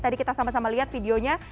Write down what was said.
tadi kita sama sama lihat videonya